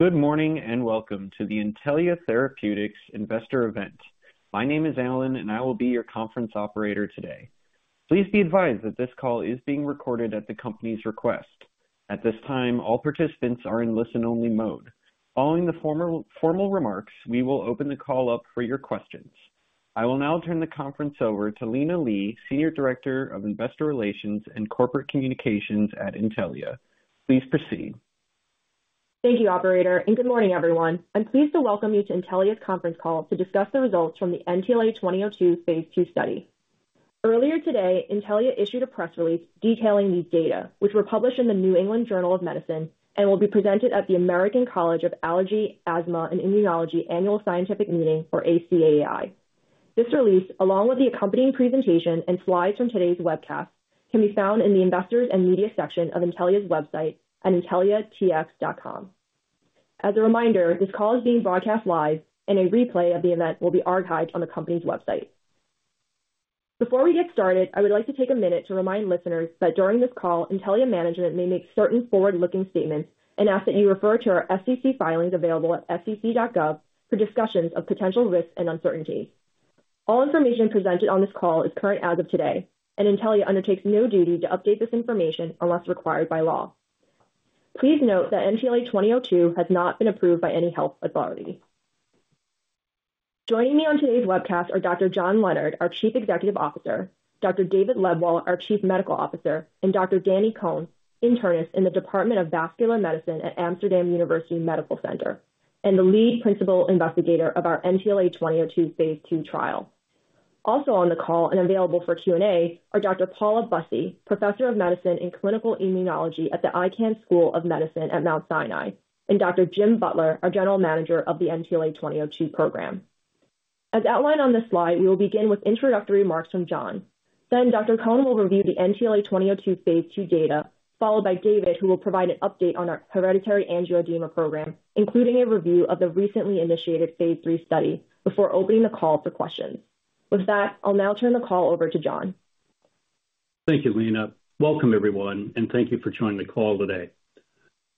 Good morning, and welcome to the Intellia Therapeutics Investor event. My name is Alan, and I will be your conference operator today. Please be advised that this call is being recorded at the company's request. At this time, all participants are in listen-only mode. Following the formal remarks, we will open the call up for your questions. I will now turn the conference over to Lina Li, Senior Director of Investor Relations and Corporate Communications at Intellia. Please proceed. Thank you, operator, and good morning, everyone. I'm pleased to welcome you to Intellia's conference call to discuss the results from the NTLA-2002 Phase 2 study. Earlier today, Intellia issued a press release detailing these data, which were published in the New England Journal of Medicine and will be presented at the American College of Allergy, Asthma, and Immunology Annual Scientific Meeting or ACAAI. This release, along with the accompanying presentation and slides from today's webcast, can be found in the Investors and Media section of Intellia's website at intelliatx.com. As a reminder, this call is being broadcast live and a replay of the event will be archived on the company's website. Before we get started, I would like to take a minute to remind listeners that during this call, Intellia management may make certain forward-looking statements and ask that you refer to our SEC filings available at sec.gov for discussions of potential risks and uncertainties. All information presented on this call is current as of today, and Intellia undertakes no duty to update this information unless required by law. Please note that NTLA-2002 has not been approved by any health authority. Joining me on today's webcast are Dr. John Leonard, our Chief Executive Officer, Dr. David Lebwohl, our Chief Medical Officer, and Dr. Danny Cohn, Internist in the Department of Vascular Medicine at Amsterdam University Medical Center, and the lead principal investigator of our NTLA-2002 Phase 2 trial. Also on the call and available for Q&A are Dr. Paula Busse, Professor of Medicine in Clinical Immunology at the Icahn School of Medicine at Mount Sinai, and Dr. Jim Butler, our General Manager of the NTLA-2002 program. As outlined on this slide, we will begin with introductory remarks from John. Then Dr. Cohn will review the NTLA-2002 Phase 2 data, followed by David, who will provide an update on our hereditary angioedema program, including a review of the recently initiated Phase 3 study, before opening the call for questions. With that, I'll now turn the call over to John. Thank you, Lena. Welcome, everyone, and thank you for joining the call today.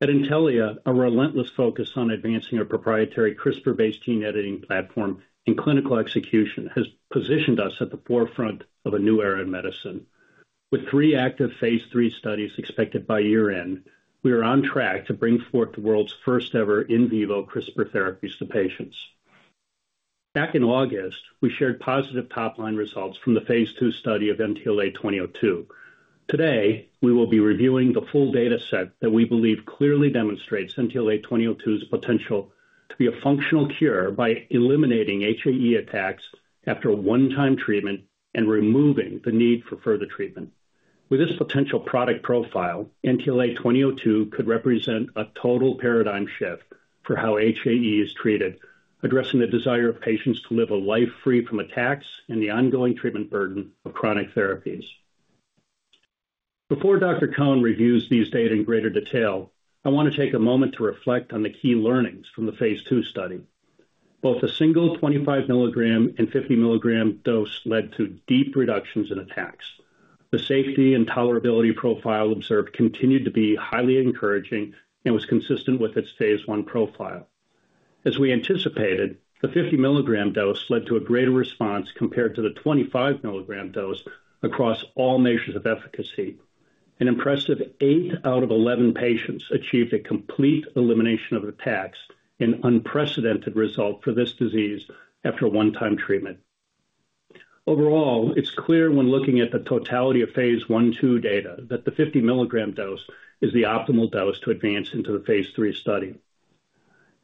At Intellia, our relentless focus on advancing our proprietary CRISPR-based gene editing platform and clinical execution has positioned us at the forefront of a new era in medicine. With three active Phase 3 studies expected by year-end, we are on track to bring forth the world's first-ever in vivo CRISPR therapies to patients. Back in August, we shared positive top-line results from the Phase 2 study of NTLA-2002. Today, we will be reviewing the full data set that we believe clearly demonstrates NTLA-2002's potential to be a functional cure by eliminating HAE attacks after a one-time treatment and removing the need for further treatment. With this potential product profile, NTLA-2002 could represent a total paradigm shift for how HAE is treated, addressing the desire of patients to live a life free from attacks and the ongoing treatment burden of chronic therapies. Before Dr. Cohn reviews these data in greater detail, I want to take a moment to reflect on the key learnings from the Phase 2 study. Both a single 25 milligram and 50 milligram dose led to deep reductions in attacks. The safety and tolerability profile observed continued to be highly encouraging and was consistent with its Phase 1 profile. As we anticipated, the 50 milligram dose led to a greater response compared to the 25 milligram dose across all measures of efficacy. An impressive eight out of 11 patients achieved a complete elimination of attacks, an unprecedented result for this disease after a one-time treatment. Overall, it's clear when looking at the totality of Phase 1/2 data, that the 50 milligram dose is the optimal dose to advance into the Phase 3 study.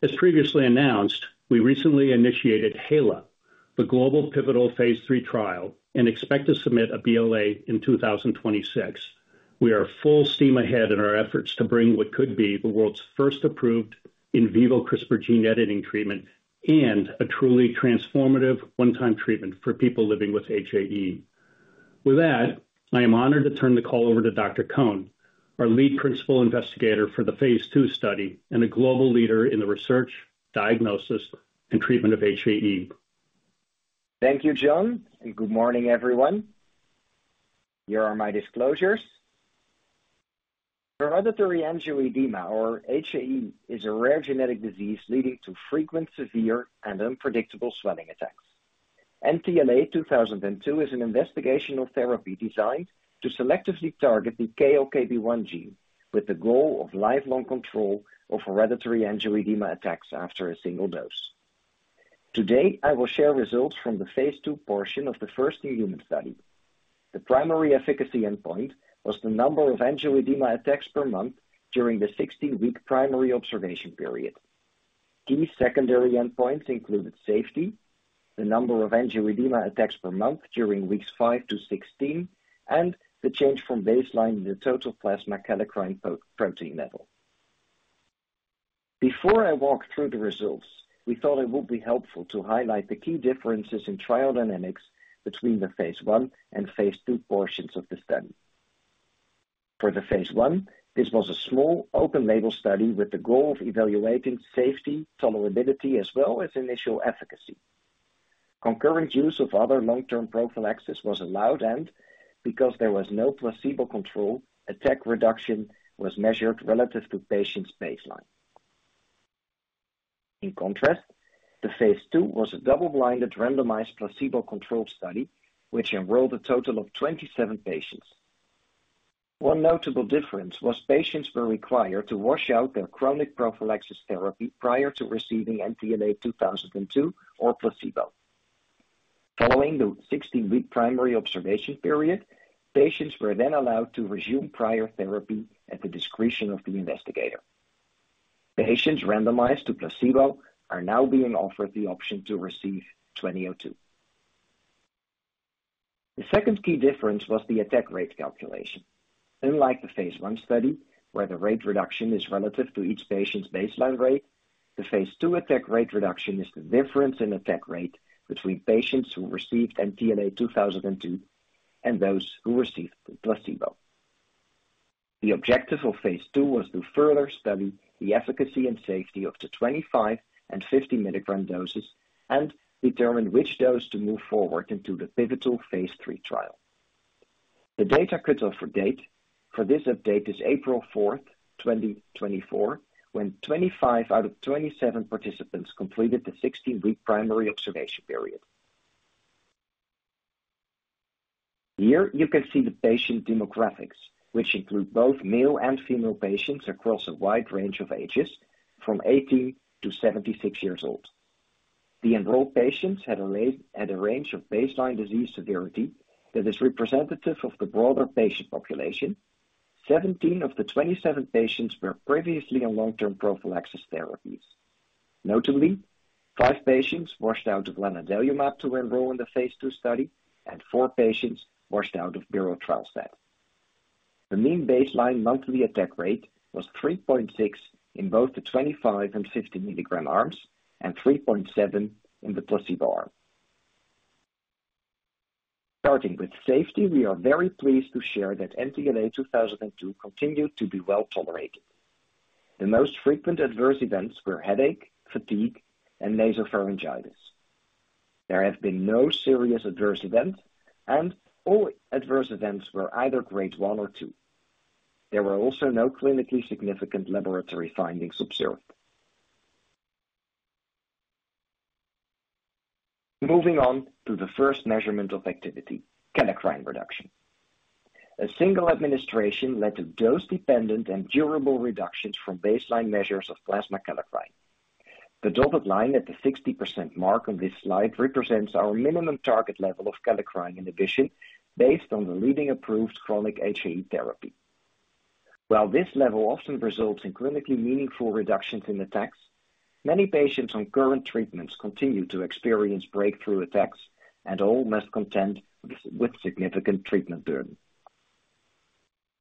As previously announced, we recently initiated HAELO, the global pivotal Phase 3 trial, and expect to submit a BLA in 2026. We are full steam ahead in our efforts to bring what could be the world's first approved in vivo CRISPR gene editing treatment and a truly transformative one-time treatment for people living with HAE. With that, I am honored to turn the call over to Dr. Cohn, our lead principal investigator for the Phase 2 study and a global leader in the research, diagnosis, and treatment of HAE. Thank you, John, and good morning, everyone. Here are my disclosures. Hereditary angioedema, or HAE, is a rare genetic disease leading to frequent, severe, and unpredictable swelling attacks. NTLA-2002 is an investigational therapy designed to selectively target the KLKB1 gene with the goal of lifelong control of hereditary angioedema attacks after a single dose. Today, I will share results from the Phase 2 portion of the first human study. The primary efficacy endpoint was the number of angioedema attacks per month during the 16-week primary observation period. Key secondary endpoints included safety, the number of angioedema attacks per month during weeks five to 16, and the change from baseline in the total plasma prekallikrein protein level. Before I walk through the results, we thought it would be helpful to highlight the key differences in trial dynamics between the Phase 1 and Phase 2 portions of the study. For the Phase 1, this was a small, open-label study with the goal of evaluating safety, tolerability, as well as initial efficacy. Concurrent use of other long-term prophylaxis was allowed, and because there was no placebo control, attack reduction was measured relative to patients' baseline. In contrast, the Phase 2 was a double-blinded, randomized, placebo-controlled study, which enrolled a total of 27 patients. One notable difference was patients were required to wash out their chronic prophylaxis therapy prior to receiving NTLA-2002 or placebo. Following the 16-week primary observation period, patients were then allowed to resume prior therapy at the discretion of the investigator. Patients randomized to placebo are now being offered the option to receive 2002. The second key difference was the attack rate calculation. Unlike the Phase 1 study, where the rate reduction is relative to each patient's baseline rate, the Phase 2 attack rate reduction is the difference in attack rate between patients who received NTLA-2002 and those who received the placebo. The objective of Phase 2 was to further study the efficacy and safety of the 25- and 50-milligram doses and determine which dose to move forward into the pivotal Phase 3 trial. The data cut-off date for this update is April fourth, 2024, when 25 out of 27 participants completed the 16-week primary observation period. Here you can see the patient demographics, which include both male and female patients across a wide range of ages, from 18 to 76 years old. The enrolled patients had a range of baseline disease severity that is representative of the broader patient population. 17 of the 27 patients were previously on long-term prophylaxis therapies. Notably, five patients washed out of lanadelumab to enroll in the Phase 2 study, and four patients washed out of berotralstat. The mean baseline monthly attack rate was 3.6 in both the 25- and 50-milligram arms and 3.7 in the placebo arm. Starting with safety, we are very pleased to share that NTLA-2002 continued to be well-tolerated. The most frequent adverse events were headache, fatigue, and nasopharyngitis. There have been no serious adverse events, and all adverse events were either grade 1 or 2. There were also no clinically significant laboratory findings observed. Moving on to the first measurement of activity, kallikrein reduction. A single administration led to dose-dependent and durable reductions from baseline measures of plasma kallikrein. The dotted line at the 60% mark on this slide represents our minimum target level of kallikrein inhibition based on the leading approved chronic HAE therapy. While this level often results in clinically meaningful reductions in attacks, many patients on current treatments continue to experience breakthrough attacks, and all must contend with significant treatment burden.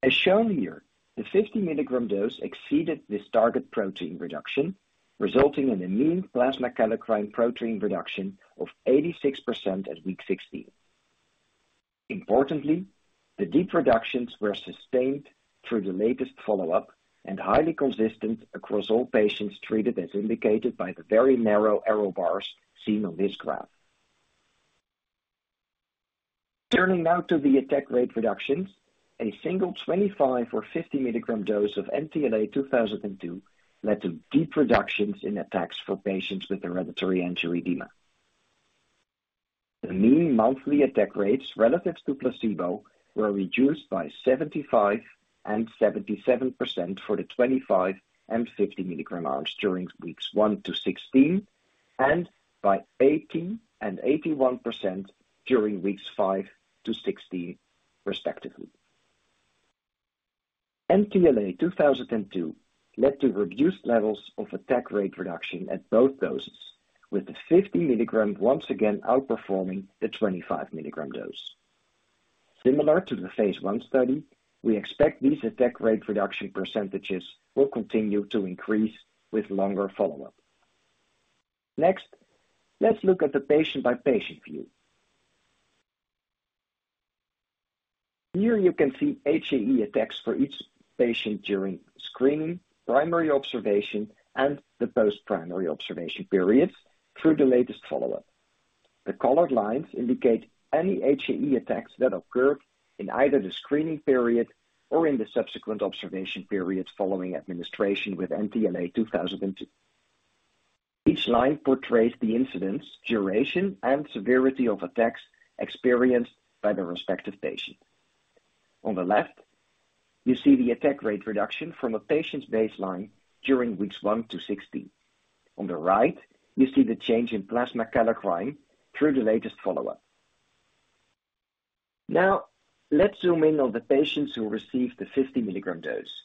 As shown here, the 50-milligram dose exceeded this target protein reduction, resulting in a mean plasma kallikrein protein reduction of 86% at week 16. Importantly, the deep reductions were sustained through the latest follow-up and highly consistent across all patients treated, as indicated by the very narrow error bars seen on this graph. Turning now to the attack rate reductions, a single 25- or 50-milligram dose of NTLA-2002 led to deep reductions in attacks for patients with hereditary angioedema. The mean monthly attack rates relative to placebo were reduced by 75% and 77% for the 25- and 50-milligram arms during weeks 1 to 16, and by 80% and 81% during weeks 5 to 16, respectively. NTLA-2002 led to reduced levels of attack rate reduction at both doses, with the 50 milligram once again outperforming the 25 milligram dose. Similar to the Phase 1 study, we expect these attack rate reduction percentages will continue to increase with longer follow-up. Next, let's look at the patient-by-patient view. Here you can see HAE attacks for each patient during screening, primary observation, and the post-primary observation periods through the latest follow-up. The colored lines indicate any HAE attacks that occurred in either the screening period or in the subsequent observation periods following administration with NTLA-2002. Each line portrays the incidence, duration, and severity of attacks experienced by the respective patient. On the left, you see the attack rate reduction from a patient's baseline during weeks 1 to 16. On the right, you see the change in plasma kallikrein through the latest follow-up. Now, let's zoom in on the patients who received the 50-milligram dose.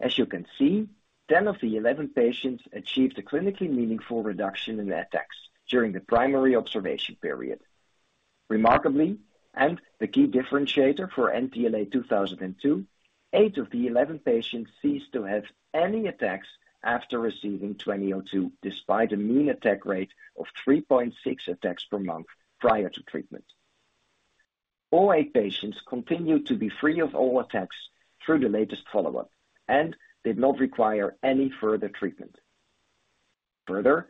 As you can see, 10 of the 11 patients achieved a clinically meaningful reduction in attacks during the primary observation period. Remarkably, and the key differentiator for NTLA-2002, 8 of the 11 patients ceased to have any attacks after receiving NTLA-2002, despite a mean attack rate of 3.6 attacks per month prior to treatment. All 8 patients continued to be free of all attacks through the latest follow-up and did not require any further treatment. Further,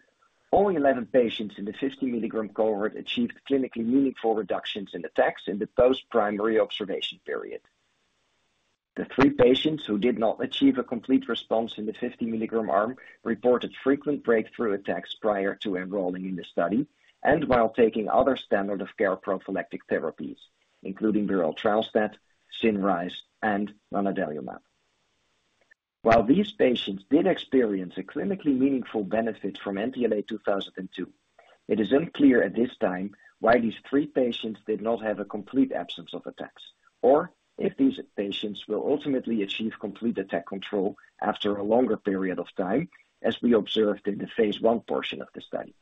only 11 patients in the 50-milligram cohort achieved clinically meaningful reductions in attacks in the post-primary observation period. The three patients who did not achieve a complete response in the 50-milligram arm reported frequent breakthrough attacks prior to enrolling in the study and while taking other standard of care prophylactic therapies, including berotralstat, Cinryze, and lanadelumab. While these patients did experience a clinically meaningful benefit from NTLA-2002, it is unclear at this time why these three patients did not have a complete absence of attacks, or if these patients will ultimately achieve complete attack control after a longer period of time, as we observed in the Phase 1 portion of the study.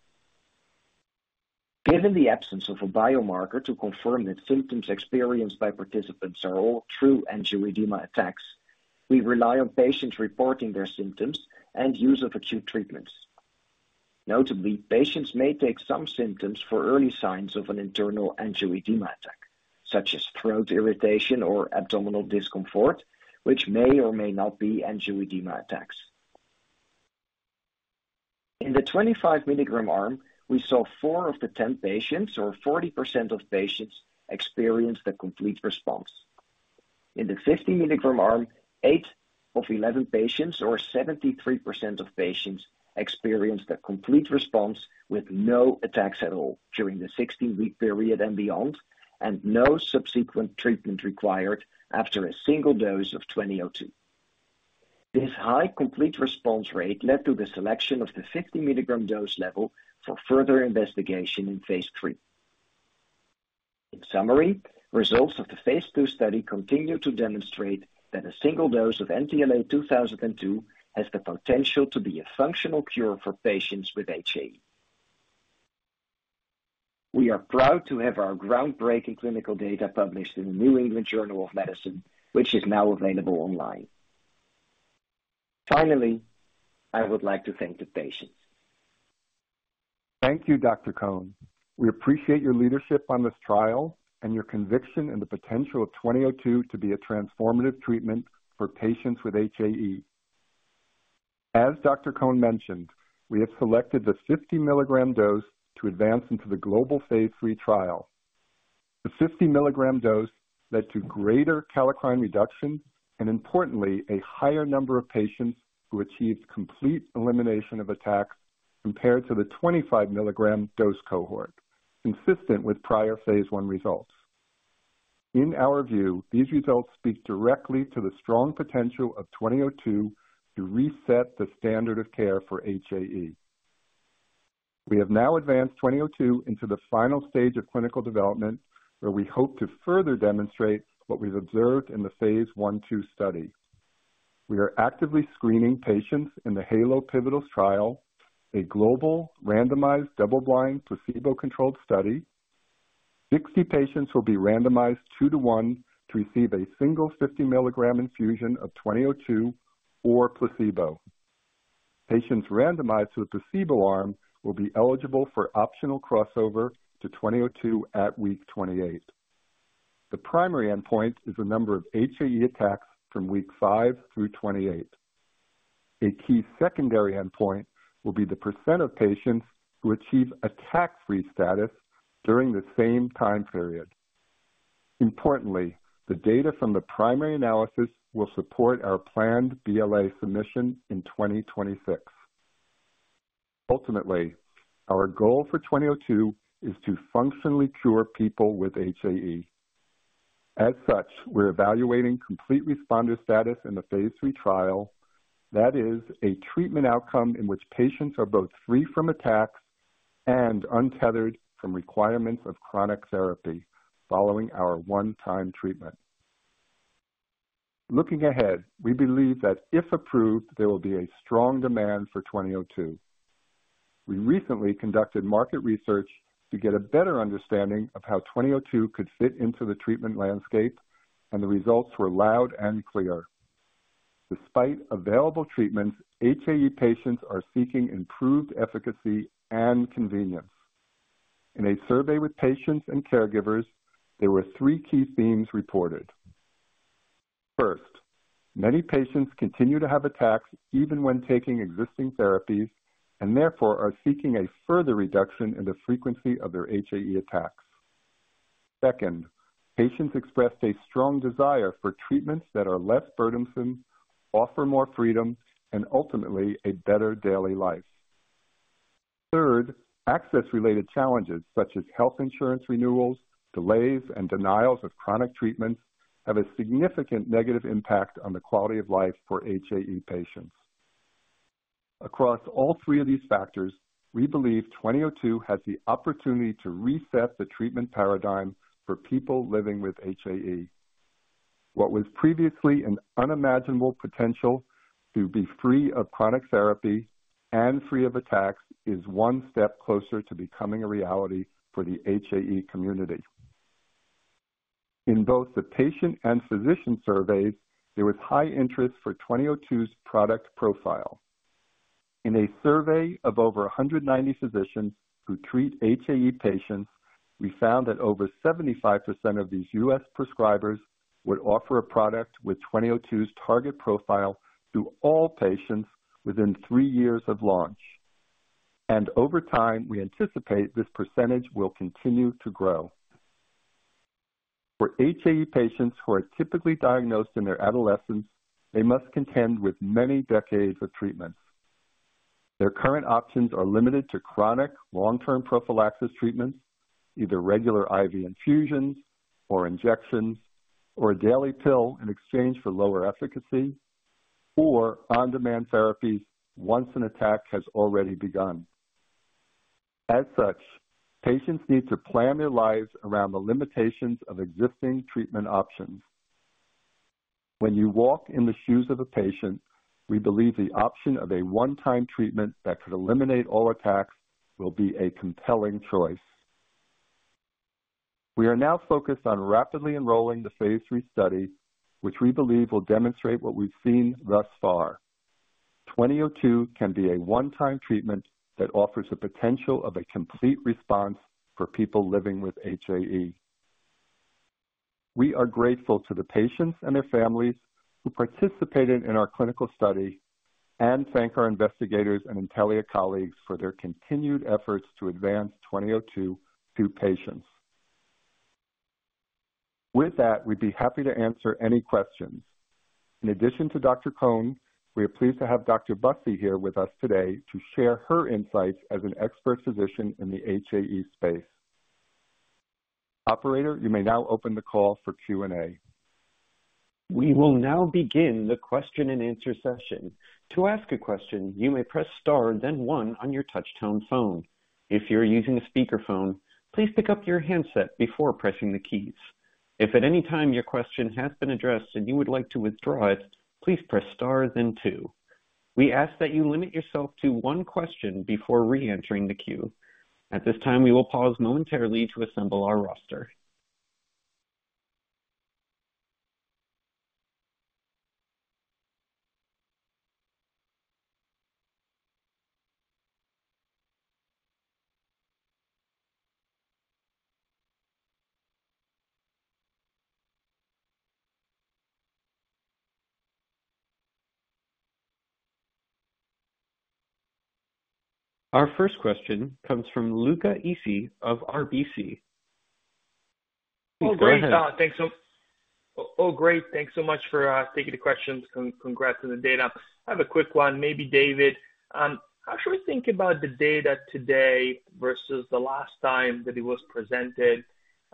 Given the absence of a biomarker to confirm that symptoms experienced by participants are all true angioedema attacks, we rely on patients reporting their symptoms and use of acute treatments. Notably, patients may take some symptoms for early signs of an internal angioedema attack, such as throat irritation or abdominal discomfort, which may or may not be angioedema attacks. In the 25 milligram arm, we saw four of the 10 patients, or 40% of patients, experience the complete response. In the 50 milligram arm, eight of 11 patients, or 73% of patients, experienced a complete response with no attacks at all during the 16-week period and beyond, and no subsequent treatment required after a single dose of NTLA-2002. This high complete response rate led to the selection of the 50 milligram dose level for further investigation in Phase 3. In summary, results of the Phase 2 study continue to demonstrate that a single dose of NTLA-2002 has the potential to be a functional cure for patients with HAE. We are proud to have our groundbreaking clinical data published in the New England Journal of Medicine, which is now available online. Finally, I would like to thank the patients. Thank you, Dr. Cohn. We appreciate your leadership on this trial and your conviction in the potential of 2002 to be a transformative treatment for patients with HAE. As Dr. Cohn mentioned, we have selected the 50-milligram dose to advance into the global Phase 3 trial. The 50-milligram dose led to greater kallikrein reduction and importantly, a higher number of patients who achieved complete elimination of attacks compared to the 25-milligram dose cohort, consistent with prior Phase 1 results. In our view, these results speak directly to the strong potential of 2002 to reset the standard of care for HAE. We have now advanced 2002 into the final stage of clinical development, where we hope to further demonstrate what we've observed in the Phase 1/2 study. We are actively screening patients in the HAELO Pivotal trial, a global, randomized, double-blind, placebo-controlled study. 60 patients will be randomized two to one to receive a single 50-milligram infusion of NTLA-2002 or placebo. Patients randomized to the placebo arm will be eligible for optional crossover to NTLA-2002 at week 28. The primary endpoint is the number of HAE attacks from week 5 through 28. A key secondary endpoint will be the percent of patients who achieve attack-free status during the same time period. Importantly, the data from the primary analysis will support our planned BLA submission in 2026. Ultimately, our goal for NTLA-2002 is to functionally cure people with HAE. As such, we're evaluating complete responder status in the Phase 3 trial. That is a treatment outcome in which patients are both free from attacks and untethered from requirements of chronic therapy following our one-time treatment. Looking ahead, we believe that if approved, there will be a strong demand for 2002. We recently conducted market research to get a better understanding of how 2002 could fit into the treatment landscape, and the results were loud and clear. Despite available treatments, HAE patients are seeking improved efficacy and convenience. In a survey with patients and caregivers, there were three key themes reported. First, many patients continue to have attacks even when taking existing therapies and therefore are seeking a further reduction in the frequency of their HAE attacks. Second, patients expressed a strong desire for treatments that are less burdensome, offer more freedom, and ultimately a better daily life. Third, access-related challenges such as health insurance renewals, delays, and denials of chronic treatments, have a significant negative impact on the quality of life for HAE patients. Across all three of these factors, we believe 2002 has the opportunity to reset the treatment paradigm for people living with HAE. What was previously an unimaginable potential to be free of chronic therapy and free of attacks, is one step closer to becoming a reality for the HAE community. In both the patient and physician surveys, there was high interest for 2002's product profile. In a survey of over 190 physicians who treat HAE patients, we found that over 75% of these U.S. prescribers would offer a product with 2002's target profile to all patients within three years of launch. And over time, we anticipate this percentage will continue to grow. For HAE patients who are typically diagnosed in their adolescence, they must contend with many decades of treatment. Their current options are limited to chronic long-term prophylaxis treatments, either regular IV infusions or injections, or a daily pill in exchange for lower efficacy or on-demand therapies once an attack has already begun. As such, patients need to plan their lives around the limitations of existing treatment options. When you walk in the shoes of a patient, we believe the option of a one-time treatment that could eliminate all attacks will be a compelling choice. We are now focused on rapidly enrolling the Phase 3 study, which we believe will demonstrate what we've seen thus far. NTLA-2002 can be a one-time treatment that offers the potential of a complete response for people living with HAE. We are grateful to the patients and their families who participated in our clinical study, and thank our investigators and Intellia colleagues for their continued efforts to advance NTLA-2002 to patients. With that, we'd be happy to answer any questions. In addition to Dr. Cohn, we are pleased to have Dr. Busse here with us today to share her insights as an expert physician in the HAE space. Operator, you may now open the call for Q&A. We will now begin the question-and-answer session. To ask a question, you may press star, then one on your touchtone phone. If you're using a speakerphone, please pick up your handset before pressing the keys. If at any time your question has been addressed and you would like to withdraw it, please press star then two. We ask that you limit yourself to one question before reentering the queue. At this time, we will pause momentarily to assemble our roster. Our first question comes from Luca Issi of RBC. Please go ahead. Oh, great. Thanks so much for taking the questions. Congrats on the data. I have a quick one, maybe David. How should we think about the data today versus the last time that it was presented?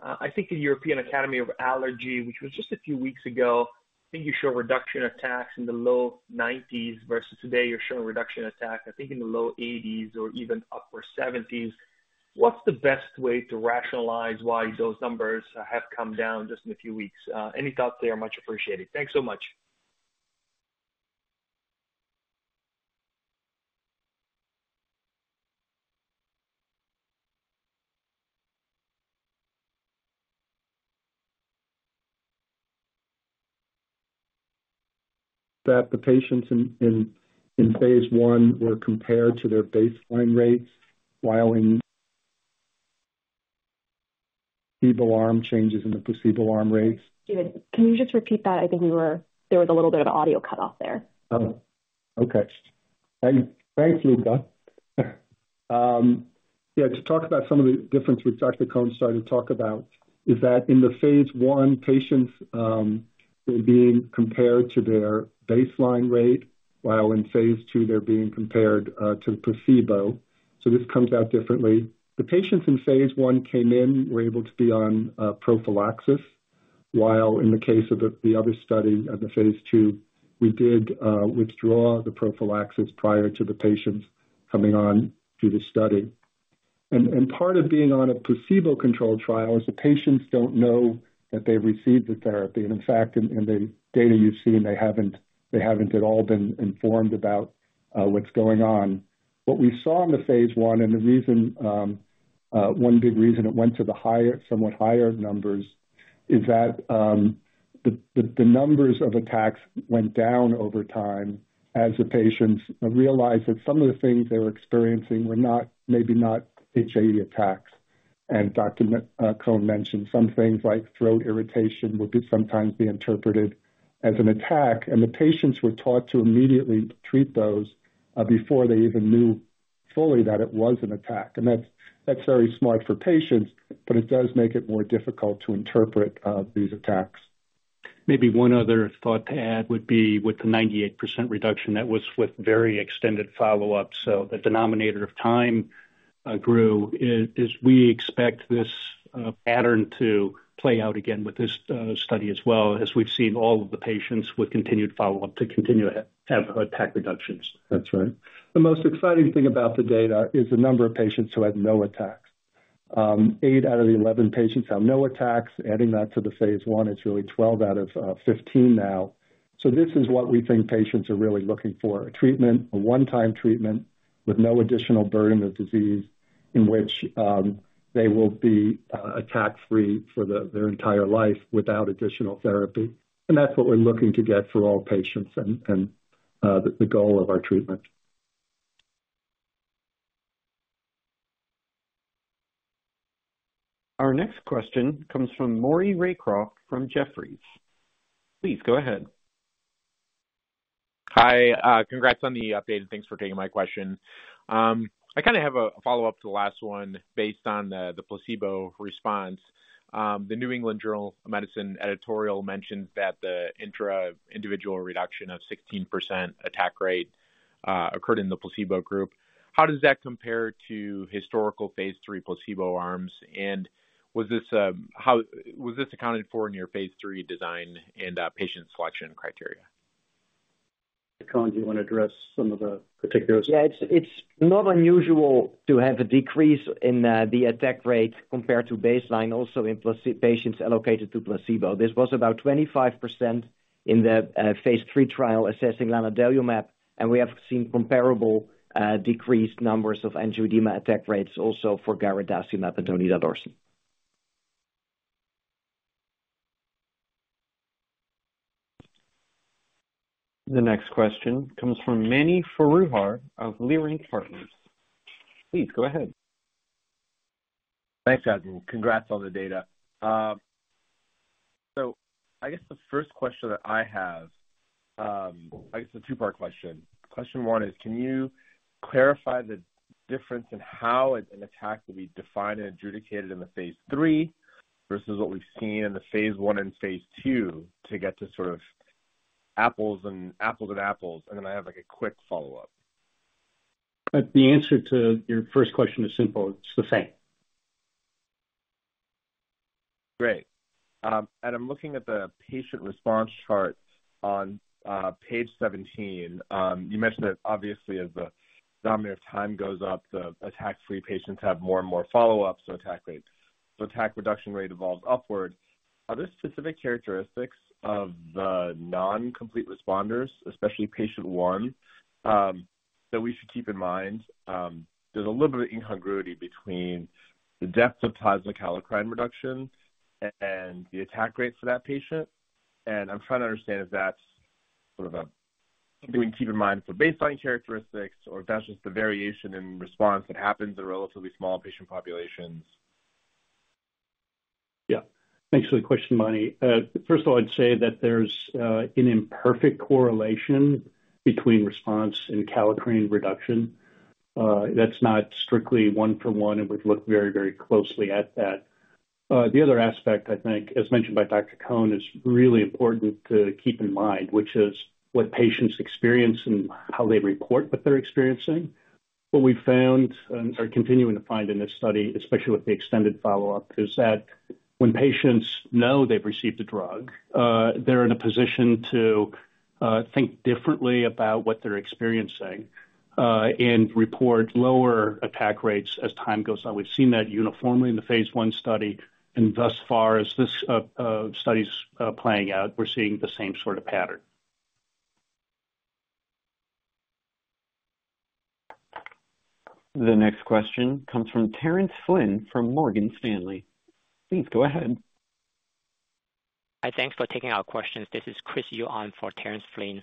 The European Academy of Allergy, which was just a few weeks ago, you show a reduction in attacks in the low nineties versus today, you're showing a reduction in attacks in the low eighties or even upper seventies. What's the best way to rationalize why those numbers have come down just in a few weeks? Any thoughts there are much appreciated. Thanks so much. That the patients in Phase 1 were compared to their baseline rates, while in the arm changes in the placebo arm rates. David, can you just repeat that? You were, there was a little bit of audio cut off there. Thanks, Luca. To talk about some of the differences which Dr. Cohn started to talk about, is that in the Phase 1, patients were being compared to their baseline rate, while in Phase 2, they're being compared to placebo. So this comes out differently. The patients in Phase 1 came in, were able to be on prophylaxis, while in the case of the other study, the Phase 2, we did withdraw the prophylaxis prior to the patients coming on to the study. And part of being on a placebo-controlled trial is the patients don't know that they received the therapy. And in fact, in the data you've seen, they haven't at all been informed about what's going on. What we saw in the Phase 1, and the reason, one big reason it went to the higher, somewhat higher numbers, is that, the numbers of attacks went down over time as the patients realized that some of the things they were experiencing were not, maybe not HAE attacks. And Dr. Cohn mentioned some things like throat irritation would sometimes be interpreted as an attack, and the patients were taught to immediately treat those, before they even knew fully that it was an attack. And that's very smart for patients, but it does make it more difficult to interpret, these attacks. Maybe one other thought to add would be with the 98% reduction, that was with very extended follow-up, so the denominator of time grew. As we expect this pattern to play out again with this study as well, as we've seen all of the patients with continued follow-up to continue to have attack reductions. That's right. The most exciting thing about the data is the number of patients who had no attacks. Eight out of the 11 patients have no attacks. Adding that to the Phase 1, it's really 12 out of 15 now. So this is what we think patients are really looking for: a treatment, a one-time treatment with no additional burden of disease.... in which they will be attack-free for their entire life without additional therapy. And that's what we're looking to get for all patients and the goal of our treatment. Our next question comes from Maury Raycroft from Jefferies. Please go ahead. Hi, congrats on the update, and thanks for taking my question. I have a follow-up to the last one based on the placebo response. The New England Journal of Medicine editorial mentioned that the intra-individual reduction of 16% attack rate occurred in the placebo group. How does that compare to historical Phase 3 placebo arms? And was this accounted for in your Phase 3 design and patient selection criteria? Cohn, do you want to address some of the particulars? It's not unusual to have a decrease in the attack rate compared to baseline, also in placebo patients allocated to placebo. This was about 25% in the Phase 3 trial assessing lanadelumab, and we have seen comparable decreased numbers of angioedema attack rates also for garadacimab and donidalorsen. The next question comes from Mani Foroohar of Leerink Partners. Please go ahead. Thanks, Adrian. Congrats on the data. So the first question that I have, a two-part question. Question one is, can you clarify the difference in how an attack will be defined and adjudicated in the Phase 3 versus what we've seen in the Phase 1 and Phase 2 to get to apples to apples? And then I have, like, a quick follow-up. The answer to your first question is simple. It's the same. Great. And I'm looking at the patient response chart on page 17. You mentioned that obviously, as the denominator of time goes up, the attack-free patients have more and more follow-ups, so attack rates, so attack reduction rate evolves upward. Are there specific characteristics of the non-complete responders, especially patient one, that we should keep in mind? There's a little bit of incongruity between the depth of plasma kallikrein reduction and the attack rates for that patient, and I'm trying to understand if that's a something we keep in mind for baseline characteristics, or if that's just the variation in response that happens in relatively small patient populations. Thanks for the question, Manny. First of all, I'd say that there's an imperfect correlation between response and kallikrein reduction. That's not strictly one for one, and we've looked very, very closely at that. The other aspect as mentioned by Dr. Cohn, is really important to keep in mind, which is what patients experience and how they report what they're experiencing. What we've found and are continuing to find in this study, especially with the extended follow-up, is that when patients know they've received a drug, they're in a position to think differently about what they're experiencing, and report lower attack rates as time goes on. We've seen that uniformly in the Phase 1 study, and thus far as this study's playing out, we're seeing the same pattern. The next question comes from Terrence Flynn from Morgan Stanley. Please go ahead. Hi, thanks for taking our questions. This is Chris Yu on for Terrence Flynn.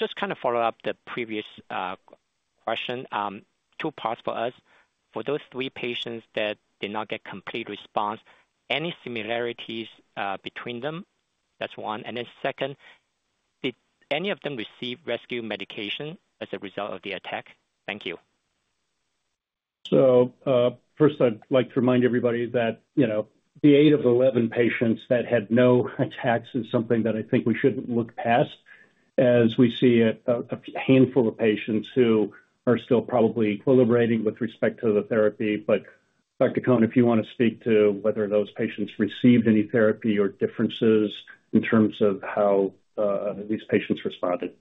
Just follow up the previous question. Two parts for us. For those three patients that did not get complete response, any similarities between them? That's one. And then second, did any of them receive rescue medication as a result of the attack? Thank you. So, first I'd like to remind everybody that the 8 of 11 patients that had no attacks is something that we shouldn't look past, as we see a handful of patients who are still probably equilibrating with respect to the therapy. But Dr. Cohn, if you want to speak to whether those patients received any therapy or differences in terms of how these patients responded.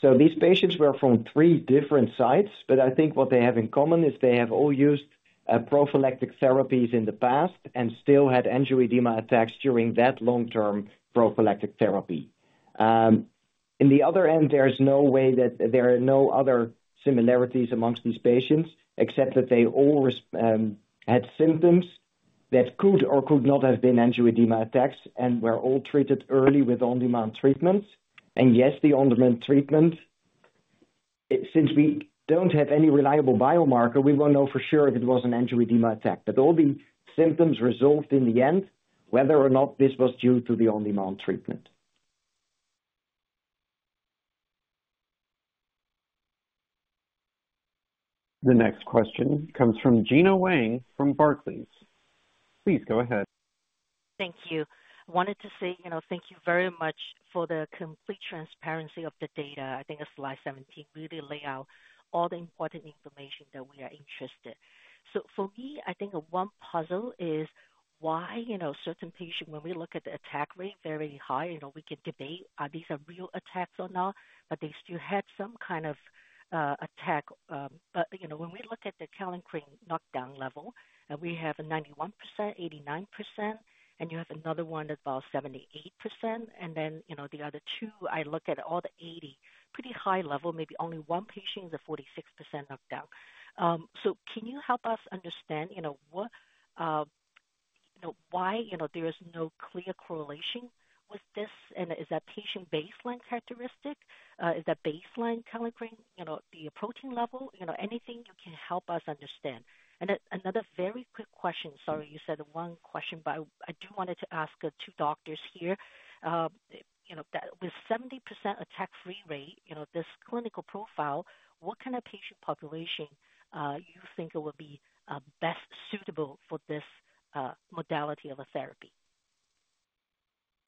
So these patients were from three different sites, but what they have in common is they have all used prophylactic therapies in the past and still had angioedema attacks during that long-term prophylactic therapy. In the other end, there is no way that there are no other similarities amongst these patients, except that they all had symptoms that could or could not have been angioedema attacks and were all treated early with on-demand treatment. And yes, the on-demand treatment, since we don't have any reliable biomarker, we won't know for sure if it was an angioedema attack. But all the symptoms resolved in the end, whether or not this was due to the on-demand treatment. The next question comes from Gina Wang from Barclays. Please go ahead. Thank you. I wanted to saythank you very much for the complete transparency of the data. The slide 17 really lay out all the important information that we are interested. So for me, one puzzle is why certain patients, when we look at the attack rate, very high, we can debate, are these real attacks or not, but they still have some attack. But when we look at the kallikrein knockdown level, and we have a 91%, 89%, and you have another one that's about 78%. And then the other two, I look at all the eighty, pretty high level, maybe only one patient is a 46% knockdown. So can you help us understand, what... Why there is no clear correlation with this, and is that patient baseline characteristic? Is that baseline kallikrein the protein level? Anything you can help us understand. And another very quick question. Sorry, you said one question, but I, I do wanted to ask two doctors here. That with 70% attack-free rate, this clinical profile, what patient population you think it would be best suitable for this modality of a therapy?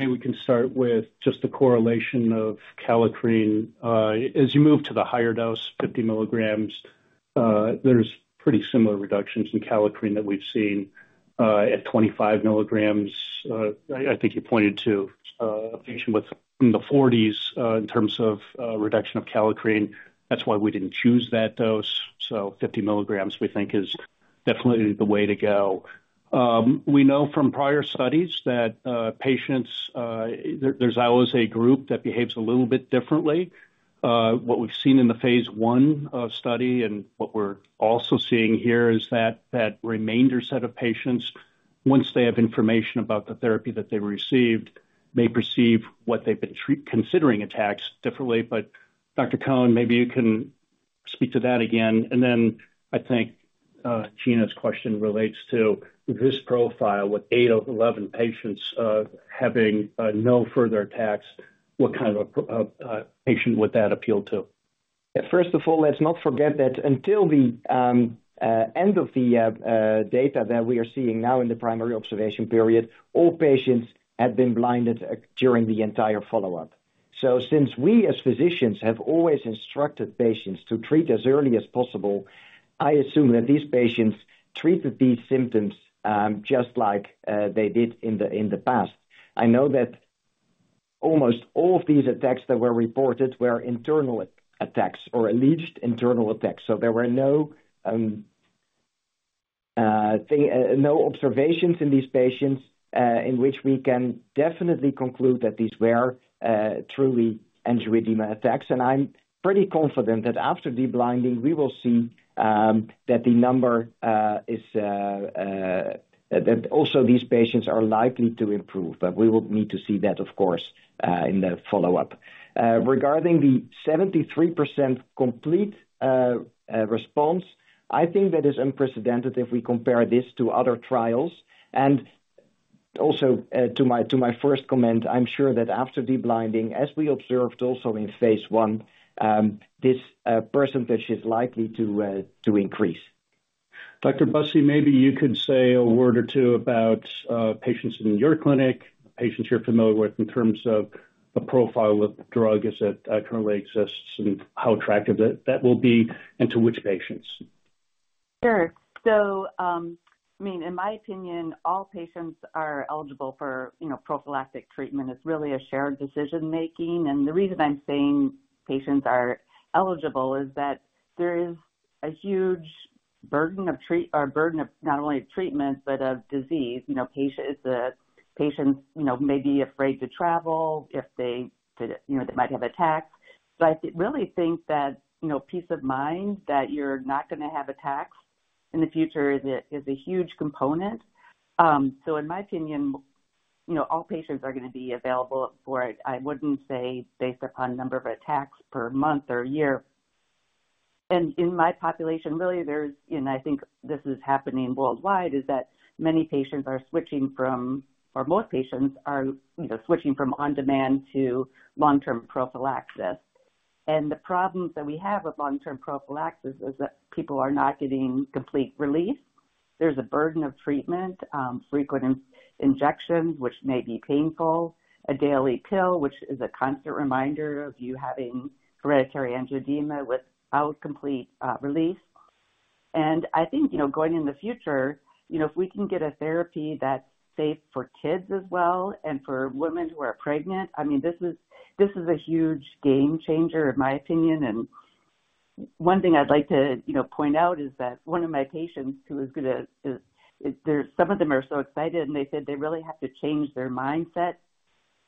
Maybe we can start with just the correlation of kallikrein. As you move to the higher dose, 50 milligrams, there's pretty similar reductions in kallikrein that we've seen at 25 milligrams. You pointed to a patient within the 40s in terms of reduction of kallikrein. That's why we didn't choose that dose. So 50 milligrams, we think is definitely the way to go. We know from prior studies that patients, there, there's always a group that behaves a little bit differently. What we've seen in the Phase 1 study and what we're also seeing here is that that remainder set of patients, once they have information about the therapy that they received, may perceive what they've been considering attacks differently. But Dr. Cohn, maybe you can speak to that again. And then Gina's question relates to this profile, with eight of 11 patients having no further attacks. What patient would that appeal to? First of all, let's not forget that until the end of the data that we are seeing now in the primary observation period, all patients had been blinded during the entire follow-up. So since we, as physicians, have always instructed patients to treat as early as possible, I assume that these patients treated these symptoms just like they did in the past. I know that almost all of these attacks that were reported were internal attacks or alleged internal attacks. So there were no observations in these patients in which we can definitely conclude that these were truly angioedema attacks. I'm pretty confident that after the blinding, we will see that also these patients are likely to improve, but we will need to see that, of course, in the follow-up. Regarding the 73% complete response, that is unprecedented if we compare this to other trials. Also, to my first comment, I'm sure that after the blinding, as we observed also in Phase 1, this percentage is likely to increase. Dr. Busse, maybe you could say a word or two about patients in your clinic, patients you're familiar with in terms of a profile of the drug as it currently exists, and how attractive that will be, and to which patients. In my opinion, all patients are eligible for prophylactic treatment. It's really a shared decision-making, and the reason I'm saying patients are eligible is that there is a huge burden of not only treatment, but of disease. Patients may be afraid to travel if they might have attacks. But I really think that peace of mind that you're not gonna have attacks in the future is a huge component. So in my opinion all patients are gonna be available for it. I wouldn't say based upon number of attacks per month or year, and in my population, really, there's... And this is happening worldwide, is that many patients are switching from, or most patients are switching from on-demand to long-term prophylaxis. And the problems that we have with long-term prophylaxis is that people are not getting complete relief. There's a burden of treatment, frequent injections, which may be painful, a daily pill, which is a constant reminder of you having hereditary angioedema without complete relief. And going in the future if we can get a therapy that's safe for kids as well and for women who are pregnant this is a huge game changer, in my opinion. One thing I'd like to point out is that one of my patients who is gonna, there's some of them are so excited, and they said they really have to change their mindset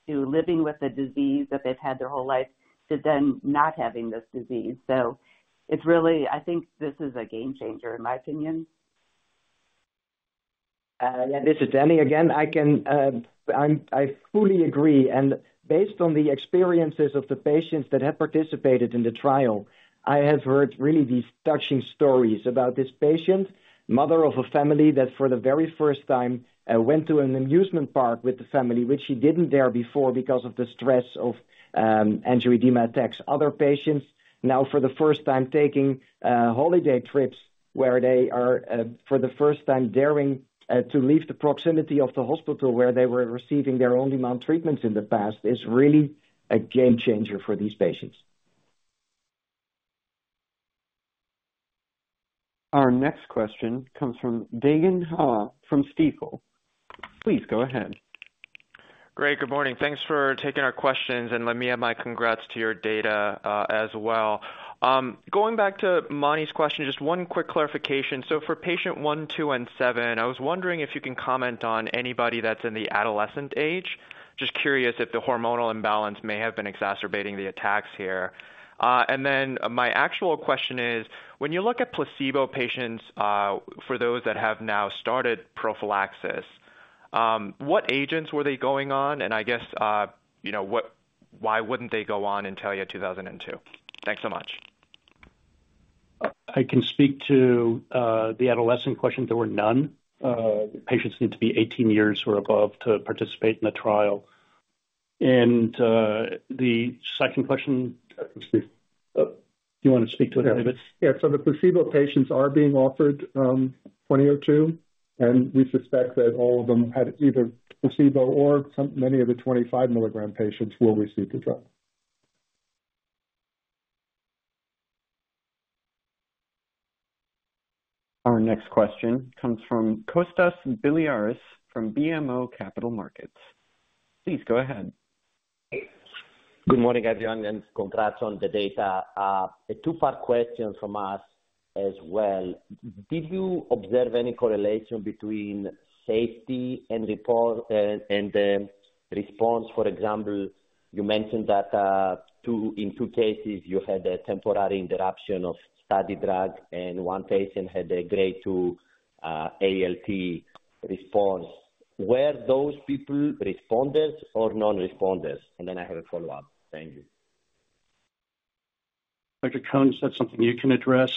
to living with a disease that they've had their whole life, to then not having this disease. So it's really, this is a game changer, in my opinion. This is Danny again. I fully agree, and based on the experiences of the patients that have participated in the trial, I have heard really these touching stories about this patient, mother of a family, that for the very first time went to an amusement park with the family, which she didn't dare before because of the stress of angioedema attacks. Other patients now for the first time taking holiday trips where they are for the first time daring to leave the proximity of the hospital where they were receiving their on-demand treatments in the past, is really a game changer for these patients. Our next question comes from Dae Gon Ha from Stifel. Please go ahead. Great. Good morning. Thanks for taking our questions, and let me add my congrats to your data, as well. Going back to Manny's question, just one quick clarification. So for patient 1, 2, and 7, I was wondering if you can comment on anybody that's in the adolescent age. Just curious if the hormonal imbalance may have been exacerbating the attacks here. And then my actual question is, when you look at placebo patients, for those that have now started prophylaxis- What agents were they going on? And why wouldn't they go on Intellia 2002? Thanks so much. I can speak to the adolescent question. There were none. Patients need to be eighteen years or above to participate in the trial, and the second question, do you want to speak to it? So the placebo patients are being offered 20 or 2, and we suspect that all of them had either placebo or some many of the 25 milligram patients will receive the drug. Our next question comes from Kostas Biliouris from BMO Capital Markets. Please go ahead. Good morning, everyone, and congrats on the data. A two-part question from us as well. Did you observe any correlation between safety and reported response? For example, you mentioned that in 2 cases you had a temporary interruption of study drug and one patient had a grade 2 ALT response. Were those people responders or non-responders? And then I have a follow-up. Thank you. Dr. Cohn, is that something you can address,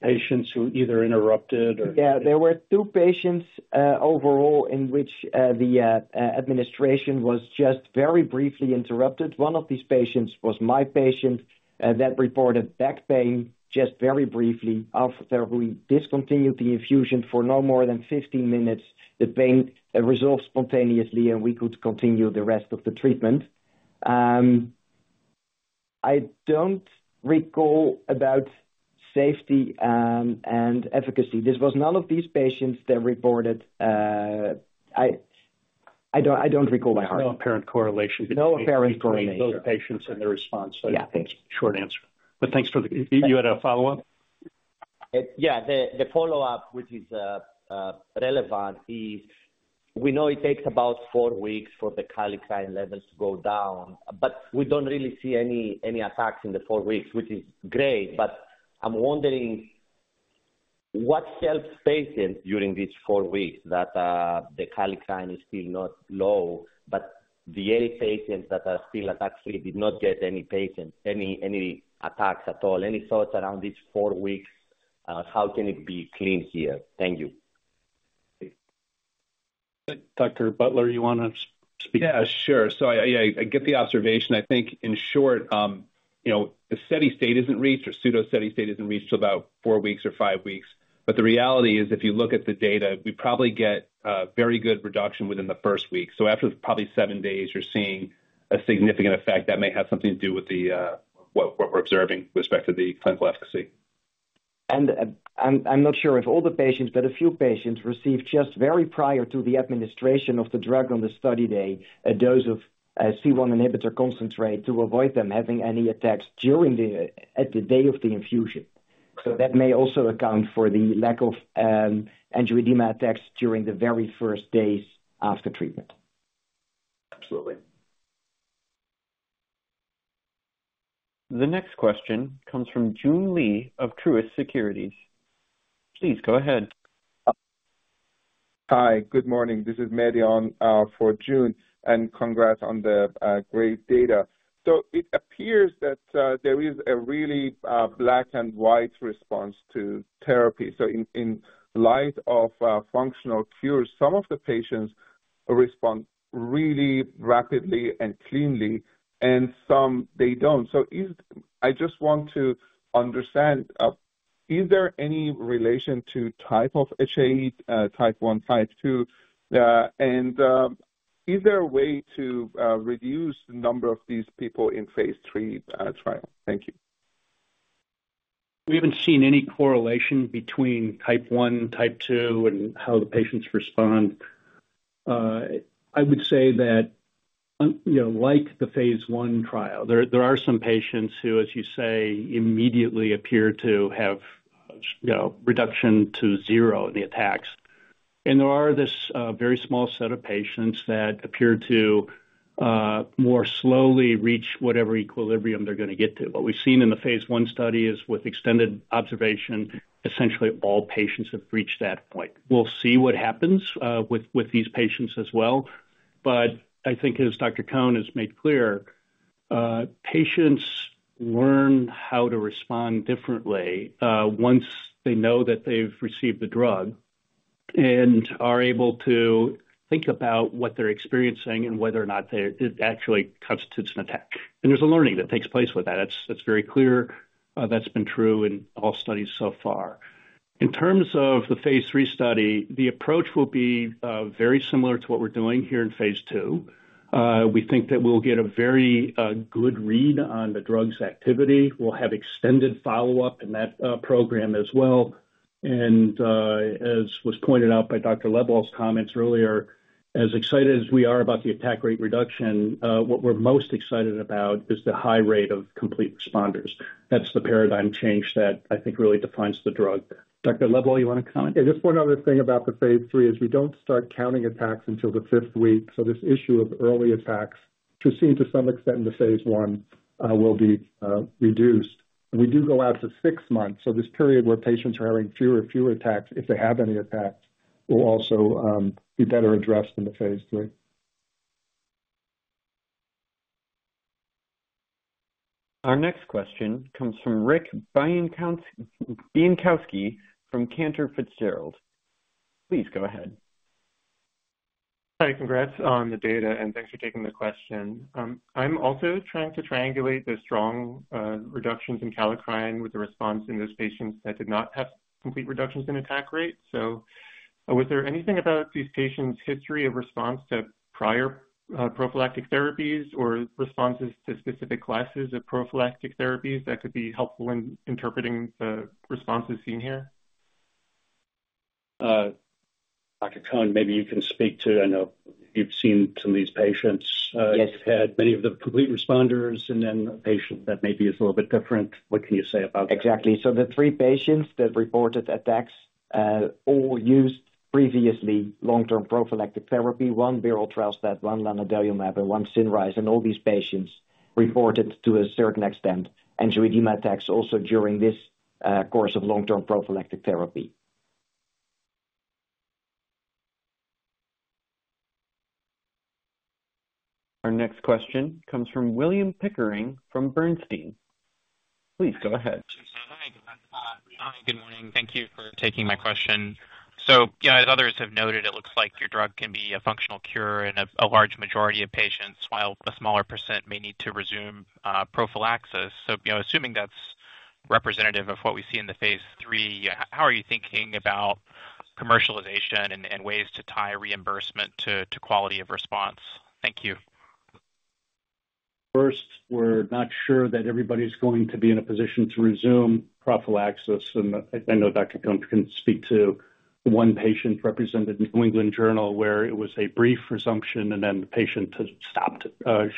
patients who either interrupted or? There were 2 patients overall, in which the administration was just very briefly interrupted. One of these patients was my patient that reported back pain just very briefly. After we discontinued the infusion for no more than 15 minutes, the pain resolved spontaneously, and we could continue the rest of the treatment. I don't recall about safety and efficacy. This was none of these patients that reported. I don't recall by heart. There's no apparent correlation- No apparent correlation. Those patients and the response. Yeah. Thanks. Short answer, but thanks for the... You had a follow-up? The follow-up, which is relevant, is we know it takes about four weeks for the kallikrein levels to go down, but we don't really see any attacks in the four weeks, which is great. But I'm wondering, what helps patients during these four weeks that the kallikrein is still not low, but the eight patients that are still at actually did not get any attacks at all? Any thoughts around these four weeks? How can it be explained here? Thank you. Dr. Butler, you want to speak? Sure. So I get the observation. In short, the steady state isn't reached or pseudo-steady state isn't reached until about four weeks or five weeks. But the reality is, if you look at the data, we probably get a very good reduction within the first week. So after probably seven days, you're seeing a significant effect that may have something to do with what we're observing with respect to the clinical efficacy. I'm not sure if all the patients, but a few patients received just very prior to the administration of the drug on the study day a dose of C1 inhibitor concentrate to avoid them having any attacks during the day of the infusion. So that may also account for the lack of angioedema attacks during the very first days after treatment. Absolutely. The next question comes from June Li of Truist Securities. Please go ahead. Hi, good morning. This is Marion for June, and congrats on the great data. So it appears that there is a really black and white response to therapy. So in light of functional cure, some of the patients respond really rapidly and cleanly, and some they don't. So I just want to understand, is there any relation to type of HAE, type 1, Type 2? And is there a way to reduce the number of these people in Phase 3 trial? Thank you. We haven't seen any correlation between Type 1, Type 2 and how the patients respond. I would say that like the Phase 1 trial, there are some patients who, as you say, immediately appear to have, reduction to zero in the attacks. And there are this very small set of patients that appear to more slowly reach whatever equilibrium they're going to get to. What we've seen in the Phase 1 study is with extended observation, essentially all patients have reached that point. We'll see what happens with these patients as well. But as Dr. Cohn has made clear, patients learn how to respond differently once they know that they've received the drug and are able to think about what they're experiencing and whether or not they it actually constitutes an attack. And there's a learning that takes place with that. That's, that's very clear. That's been true in all studies so far. In terms of the Phase 3 study, the approach will be, very similar to what we're doing here in Phase 2. We think that we'll get a very, good read on the drug's activity. We'll have extended follow-up in that, program as well. And, as was pointed out by Dr. Lebwohl's comments earlier, as excited as we are about the attack rate reduction, what we're most excited about is the high rate of complete responders. That's the paradigm change that really defines the drug. Dr. Lebwohl, you want to comment? Just one other thing about the Phase 3 is we don't start counting attacks until the fifth week. So this issue of early attacks, which seemed to some extent in the Phase 1, will be reduced. And we do go out to six months. So this period where patients are having fewer and fewer attacks, if they have any attacks, will also be better addressed in the Phase 3. Our next question comes from Rick Bienkowski from Cantor Fitzgerald. Please go ahead. Hi, congrats on the data, and thanks for taking the question. I'm also trying to triangulate the strong reductions in kallikrein with the response in those patients that did not have complete reductions in attack rate. So was there anything about these patients' history of response to prior prophylactic therapies or responses to specific classes of prophylactic therapies that could be helpful in interpreting the responses seen here? Dr. Cohn, maybe you can speak to... I know you've seen some of these patients. Yes. You've had many of the complete responders and then a patient that maybe is a little bit different. What can you say about that? Exactly. So the three patients that reported attacks all used previously long-term prophylactic therapy. One berotralstat, one lanadelumab, and one Cinryze, and all these patients reported to a certain extent angioedema attacks also during this course of long-term prophylactic therapy. Our next question comes from William Pickering, from Bernstein. Please go ahead. Hi. Hi, good morning. Thank you for taking my question. As others have noted, it looks like your drug can be a functional cure in a large majority of patients, while a smaller % may need to resume prophylaxis. So assuming that's representative of what we see in the Phase 3, how are you thinking about commercialization and ways to tie reimbursement to quality of response? Thank you. First, we're not sure that everybody's going to be in a position to resume prophylaxis. And I, I know Dr. Cohn can speak to the one patient represented in the New England Journal, where it was a brief resumption, and then the patient has stopped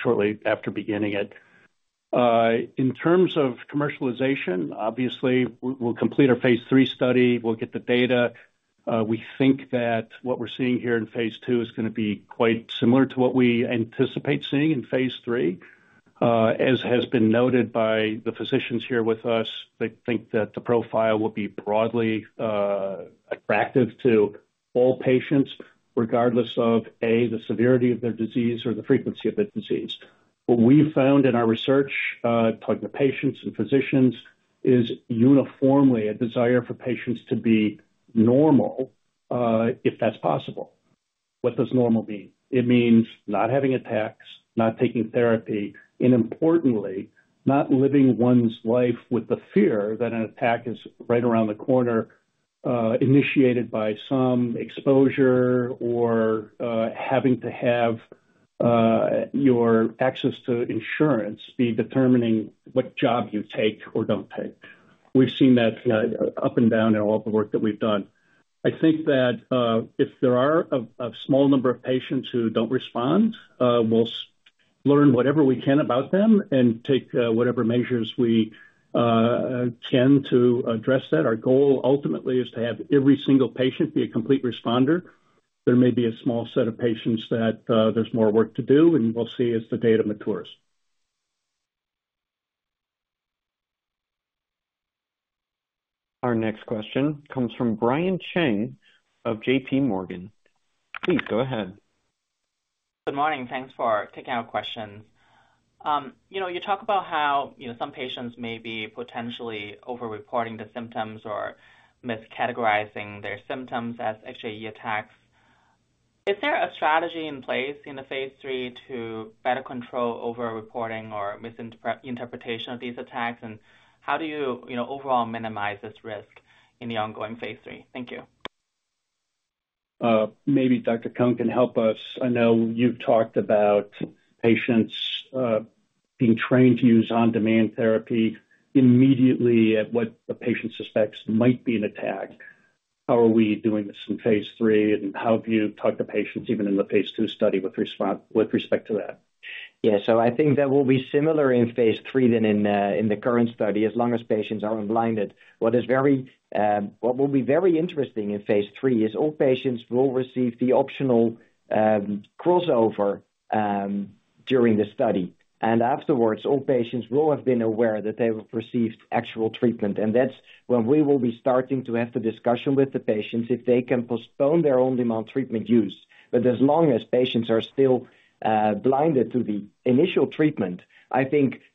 shortly after beginning it. In terms of commercialization, obviously, we'll complete our Phase 3 study. We'll get the data. We think that what we're seeing here in Phase 2 is gonna be quite similar to what we anticipate seeing in Phase 3. As has been noted by the physicians here with us, they think that the profile will be broadly attractive to all patients, regardless of the severity of their disease or the frequency of the disease. What we found in our research, talking to patients and physicians, is uniformly a desire for patients to be normal, if that's possible. What does normal mean? It means not having attacks, not taking therapy, and importantly, not living one's life with the fear that an attack is right around the corner, initiated by some exposure or, having to have, your access to insurance be determining what job you take or don't take. We've seen that, up and down in all the work that we've done. If there are a small number of patients who don't respond, we'll learn whatever we can about them and take whatever measures we can to address that. Our goal ultimately is to have every single patient be a complete responder. There may be a small set of patients that, there's more work to do, and we'll see as the data matures. Our next question comes from Brian Cheng of JP Morgan. Please go ahead. Good morning. Thanks for taking our questions. You talk about how some patients may be potentially over-reporting the symptoms or miscategorizing their symptoms as HAE attacks. Is there a strategy in place in the Phase 3 to better control over-reporting or misinterpretation of these attacks? How do you overall minimize this risk in the ongoing Phase 3? Thank you. Maybe Dr. Cohn can help us. I know you've talked about patients being trained to use on-demand therapy immediately at what the patient suspects might be an attack. How are we doing this in Phase 3, and how have you talked to patients even in the Phase 2 study with respond, with respect to that? So that will be similar in Phase 3 than in the current study, as long as patients are unblinded. What will be very interesting in Phase 3 is all patients will receive the optional crossover during the study. Afterwards, all patients will have been aware that they have received actual treatment, and that's when we will be starting to have the discussion with the patients if they can postpone their on-demand treatment use. As long as patients are still blinded to the initial treatment,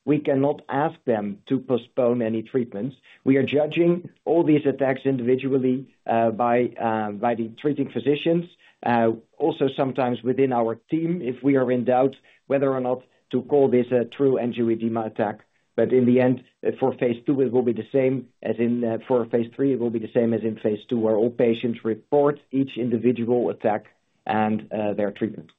we cannot ask them to postpone any treatments. We are judging all these attacks individually by the treating physicians. Also sometimes within our team, if we are in doubt whether or not to call this a true angioedema attack. But in the end, for Phase 2, it will be the same as in, for Phase 3, it will be the same as in Phase 2, where all patients report each individual attack and, their treatment.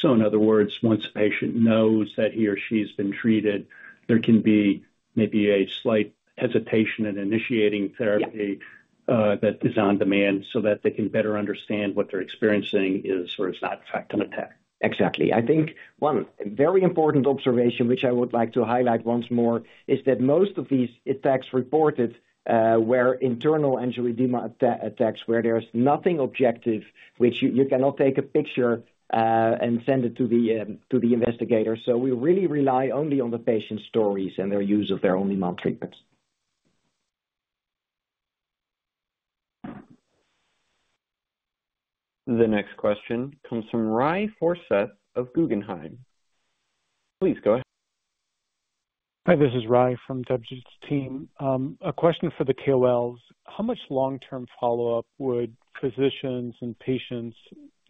So in other words, once a patient knows that he or she's been treated, there can be maybe a slight hesitation in initiating therapy- Yeah. that is on demand, so that they can better understand what they're experiencing is or is not in fact an attack. Exactly. One very important observation, which I would like to highlight once more, is that most of these attacks reported were internal angioedema attacks, where there is nothing objective, which you cannot take a picture and send it to the investigator. So we really rely only on the patient's stories and their use of their on-demand treatments.... The next question comes from Ry Forseth of Guggenheim. Please go ahead. Hi, this is Ry from Chattopadhyay's team. A question for the KOLs. How much long-term follow-up would physicians and patients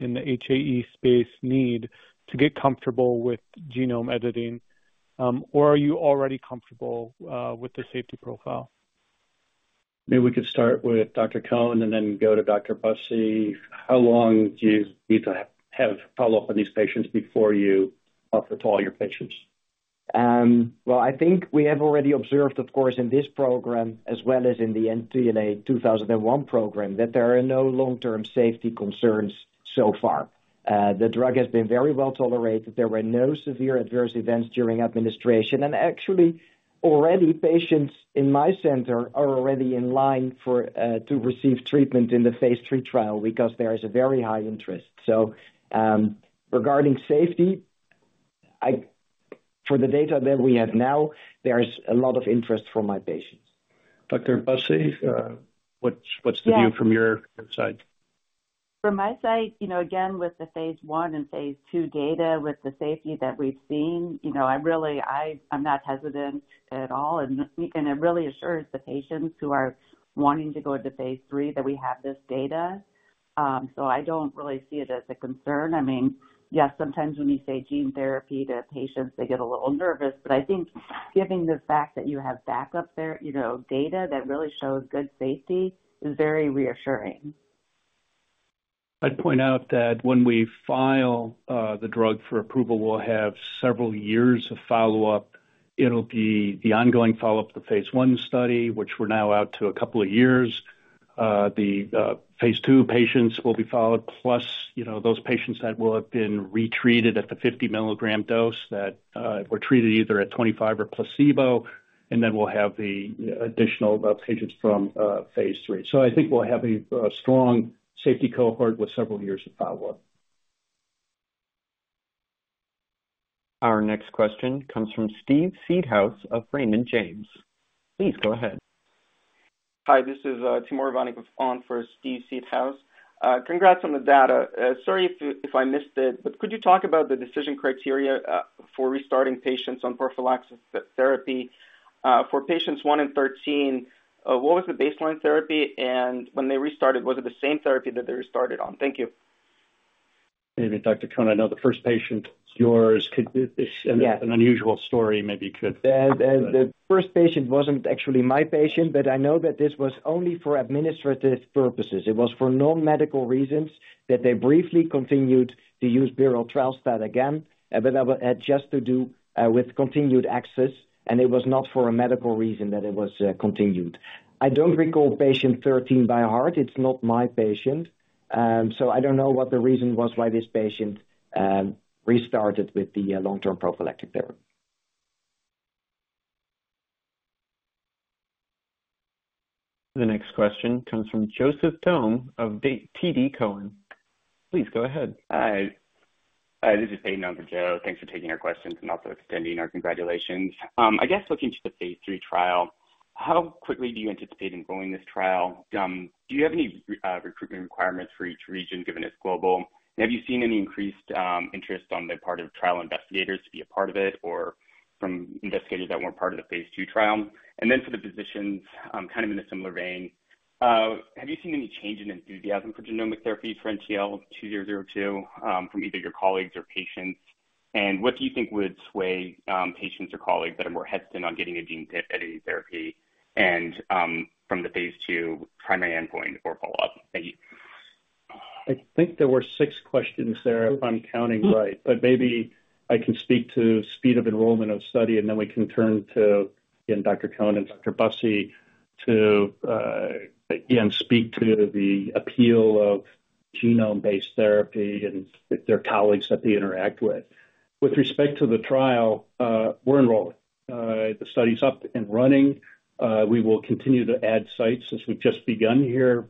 in the HAE space need to get comfortable with genome editing? Or are you already comfortable with the safety profile? Maybe we could start with Dr. Cohn and then go to Dr. Busse. How long do you need to have follow-up on these patients before you offer to all your patients? We have already observed, of course, in this program, as well as in the NTLA-2001 program, that there are no long-term safety concerns so far. The drug has been very well tolerated. There were no severe adverse events during administration, and actually already patients in my center are already in line for to receive treatment in the Phase 3 trial because there is a very high interest. Regarding safety, for the data that we have now, there is a lot of interest from my patients. Dr. Busse, what's the view from your side? From my side again, with the Phase 1 and Phase 2 data, with the safety that we've seen, I really, I'm not hesitant at all, and it really assures the patients who are wanting to go into Phase 3 that we have this data. So I don't really see it as a concern. Yes, sometimes when you say gene therapy to patients, they get a little nervous, but giving the fact that you have backup there data that really shows good safety is very reassuring. I'd point out that when we file, the drug for approval, we'll have several years of follow-up. It'll be the ongoing follow-up, the Phase 1 study, which we're now out to a couple of years. The Phase 2 patients will be followed, plus those patients that will have been retreated at the 50 milligram dose, that were treated either at 25 or placebo, and then we'll have the additional patients from Phase 3. So we'll have a strong safety cohort with several years of follow-up. Our next question comes from Steve Seedhouse of Raymond James. Please go ahead. Hi, this is Timur Ivannikov of Raymond James for Steve Seedhouse. Congrats on the data. Sorry if I missed it, but could you talk about the decision criteria for restarting patients on prophylaxis therapy? For patients one and thirteen, what was the baseline therapy, and when they restarted, was it the same therapy that they restarted on? Thank you. Maybe Dr. Cohn, I know the first patient is yours. Could this- Yeah. An unusual story, maybe you could- The first patient wasn't actually my patient, but I know that this was only for administrative purposes. It was for non-medical reasons that they briefly continued to use berotralstat again, but that had just to do with continued access, and it was not for a medical reason that it was continued. I don't recall patient thirteen by heart. It's not my patient, so I don't know what the reason was why this patient restarted with the long-term prophylactic therapy. The next question comes from Joseph Thome of TD Cowen. Please go ahead. Hi. This is Peyton Bohn for Joe. Thanks for taking our questions and also extending our congratulations. Looking to the Phase 3 trial, how quickly do you anticipate enrolling this trial? Do you have any recruitment requirements for each region, given it's global? And have you seen any increased interest on the part of trial investigators to be a part of it, or from investigators that weren't part of the Phase 2 trial? And then for the physicians, in a similar vein, have you seen any change in enthusiasm for gene therapy for NTLA-2002, from either your colleagues or patients? And what do you think would sway patients or colleagues that are more hesitant on getting a gene therapy and, from the Phase 2 primary endpoint or follow-up? Thank you. There were six questions there, if I'm counting right, but maybe I can speak to speed of enrollment of study, and then we can turn to, again, Dr. Cohn and Dr. Busse to, again, speak to the appeal of genome-based therapy and their colleagues that they interact with. With respect to the trial, we're enrolling. The study's up and running. We will continue to add sites as we've just begun here.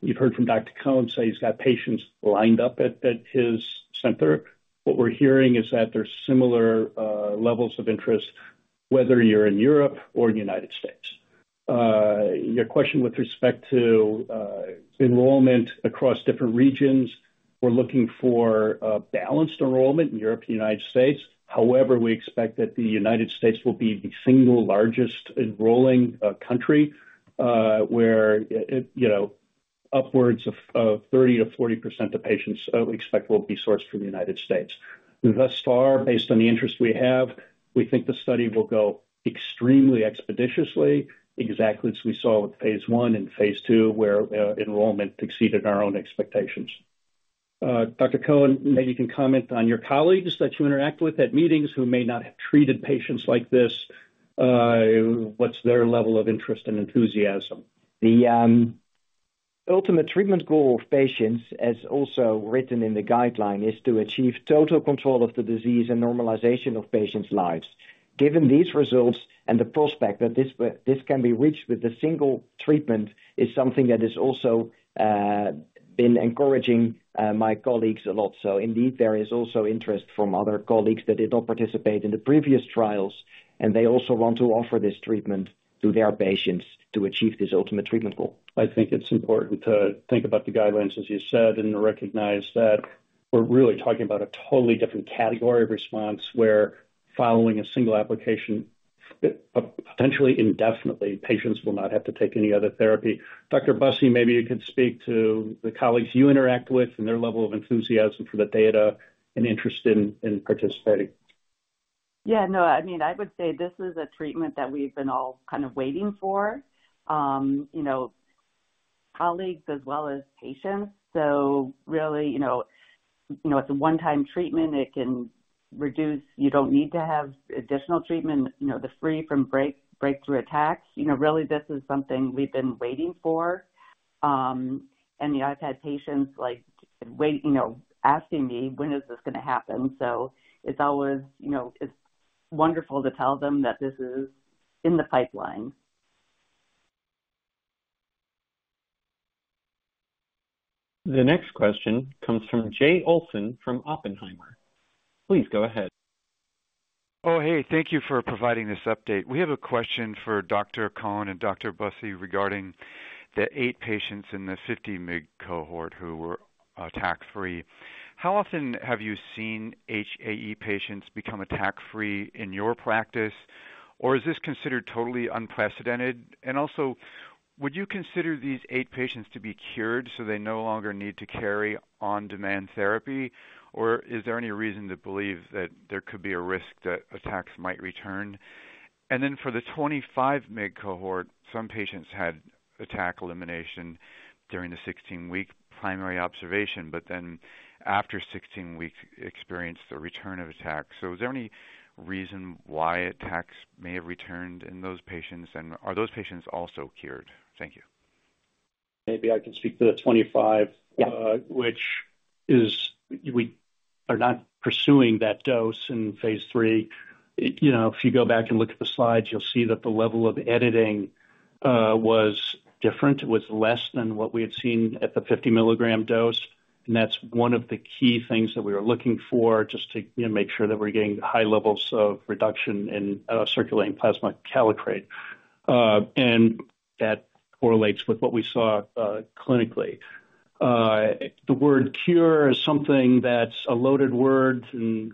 You've heard from Dr. Cohn say he's got patients lined up at his center. What we're hearing is that there's similar levels of interest, whether you're in Europe or the United States. Your question with respect to enrollment across different regions, we're looking for a balanced enrollment in Europe and the United States. However, we expect that the United States will be the single largest enrolling country, where upwards of 30%-40% of patients we expect will be sourced from the United States. Thus far, based on the interest we have, we think the study will go extremely expeditiously, exactly as we saw with Phase 1 and Phase 2, where enrollment exceeded our own expectations. Dr. Cohn, maybe you can comment on your colleagues that you interact with at meetings who may not have treated patients like this. What's their level of interest and enthusiasm? The ultimate treatment goal of patients, as also written in the guideline, is to achieve total control of the disease and normalization of patients' lives. Given these results and the prospect that this can be reached with a single treatment is something that has also been encouraging my colleagues a lot, so indeed there is also interest from other colleagues that did not participate in the previous trials, and they also want to offer this treatment to their patients to achieve this ultimate treatment goal. It's important to think about the guidelines, as you said, and recognize that we're really talking about a totally different category of response, where following a single application, potentially indefinitely, patients will not have to take any other therapy. Dr. Busse, maybe you could speak to the colleagues you interact with and their level of enthusiasm for the data and interest in participating. No, I would say this is a treatment that we've been all waiting for. Colleagues as well as patients. So really it's a one-time treatment. It can reduce... You don't need to have additional treatment. Free from breakthrough attacks. Really, this is something we've been waiting for. And I've had patients, like, waiting, asking me, "When is this gonna happen?" It's always wonderful to tell them that this is in the pipeline. The next question comes from Jay Olson from Oppenheimer. Please go ahead. Oh, hey, thank you for providing this update. We have a question for Dr. Cohn and Dr. Busse regarding the eight patients in the 50 mg cohort who were attack-free. How often have you seen HAE patients become attack-free in your practice, or is this considered totally unprecedented? And also, would you consider these eight patients to be cured, so they no longer need to carry on-demand therapy, or is there any reason to believe that there could be a risk that attacks might return? And then for the 25 mg cohort, some patients had attack elimination during the 16-week primary observation, but then, after 16 weeks, experienced a return of attack. So is there any reason why attacks may have returned in those patients, and are those patients also cured? Thank you. Maybe I can speak to the twenty-five- Yeah. which is, we are not pursuing that dose in Phase 3. If you go back and look at the slides, you'll see that the level of editing was different, was less than what we had seen at the 50 milligram dose. And that's one of the key things that we were looking for, just to make sure that we're getting high levels of reduction in circulating plasma kallikrein. And that correlates with what we saw clinically. The word cure is something that's a loaded word, and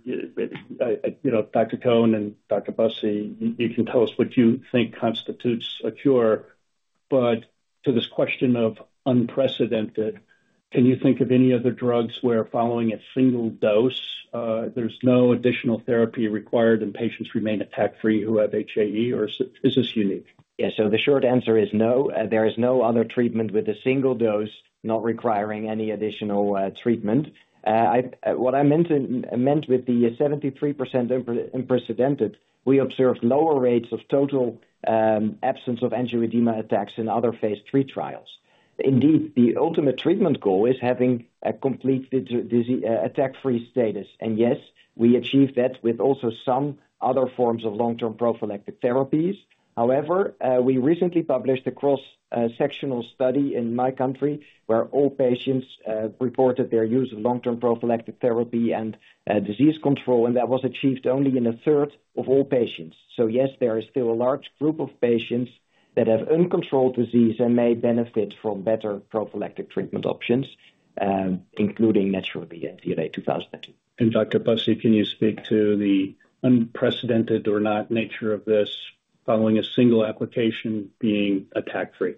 Dr. Cohn and Dr. Busse, you can tell us what you think constitutes a cure. But to this question of unprecedented, can you think of any other drugs where, following a single dose, there's no additional therapy required, and patients remain attack-free who have HAE, or is this unique? So the short answer is no. There is no other treatment with a single dose, not requiring any additional treatment. What I meant with the 73% unprecedented. We observed lower rates of total absence of angioedema attacks in other Phase 3 trials. Indeed, the ultimate treatment goal is having a complete disease attack-free status. And yes, we achieved that with also some other forms of long-term prophylactic therapies. However, we recently published a cross-sectional study in my country, where all patients reported their use of long-term prophylactic therapy and disease control, and that was achieved only in a third of all patients. So yes, there is still a large group of patients that have uncontrolled disease and may benefit from better prophylactic treatment options, including naturally NTLA-2002. Dr. Busse, can you speak to the unprecedented or not nature of this, following a single application being attack free?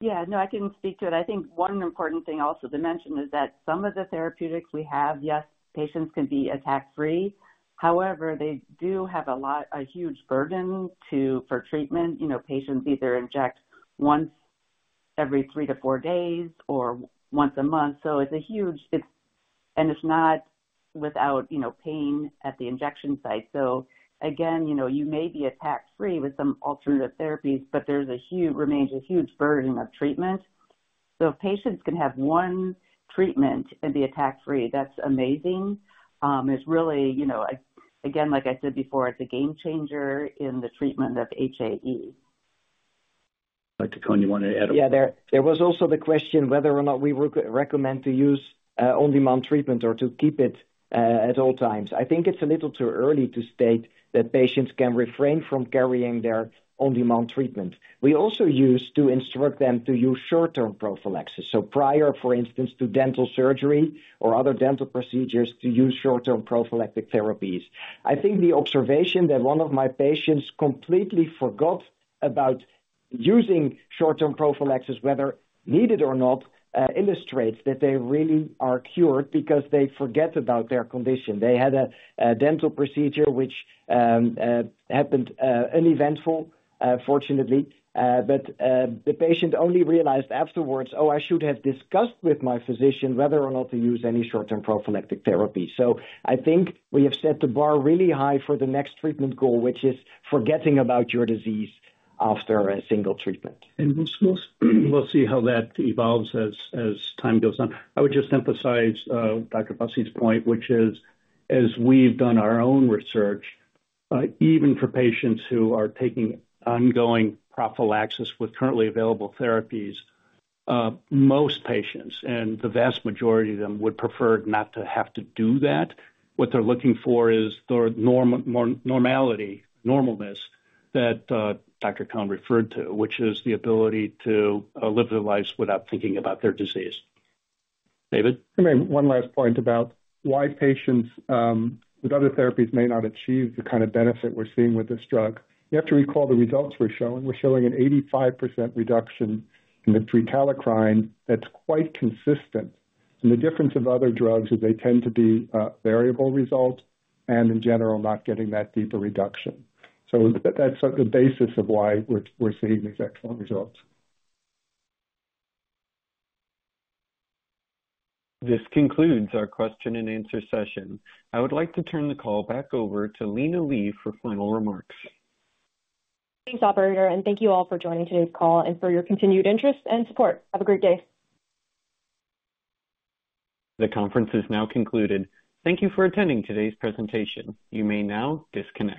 No, I can speak to it. One important thing also to mention is that some of the therapeutics we have. Yes, patients can be attack free. However, they do have a lot, a huge burden too for treatment. Patients either inject once every three to four days or once a month, so it's a huge. And it's not without, pain at the injection site. So again, you may be attack free with some alternative therapies, but there's a huge burden of treatment that remains a huge burden of treatment. So if patients can have one treatment and be attack free, that's amazing. It's really, again, like I said before, it's a game changer in the treatment of HAE. Dr. Cohn, you want to add? There was also the question whether or not we recommend to use on-demand treatment or to keep it at all times. It's a little too early to state that patients can refrain from carrying their on-demand treatment. We also use to instruct them to use short-term prophylaxis. So prior, for instance, to dental surgery or other dental procedures, to use short-term prophylactic therapies. The observation that one of my patients completely forgot about using short-term prophylaxis, whether needed or not, illustrates that they really are cured because they forget about their condition. They had a dental procedure which happened uneventful, fortunately. The patient only realized afterwards, "Oh, I should have discussed with my physician whether or not to use any short-term prophylactic therapy." So we have set the bar really high for the next treatment goal, which is forgetting about your disease after a single treatment. And we'll see how that evolves as time goes on. I would just emphasize Dr. Busse's point, which is, as we've done our own research, even for patients who are taking ongoing prophylaxis with currently available therapies, most patients, and the vast majority of them, would prefer not to have to do that. What they're looking for is the normality, normalness, that Dr. Cohn referred to, which is the ability to live their lives without thinking about their disease. David? Let me make one last point about why patients with other therapies may not achieve the benefit we're seeing with this drug. You have to recall the results we're showing. We're showing a 85% reduction in the prekallikrein. That's quite consistent. The difference of other drugs is they tend to be variable results and, in general, not getting that deeper reduction. That's the basis of why we're seeing these excellent results. This concludes our question and answer session. I would like to turn the call back over to Lina Li for final remarks. Thanks, operator, and thank you all for joining today's call and for your continued interest and support. Have a great day! The conference is now concluded. Thank you for attending today's presentation. You may now disconnect.